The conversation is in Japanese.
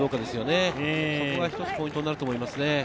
そこが一つポイントになると思います。